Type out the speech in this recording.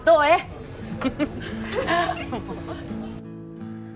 すいません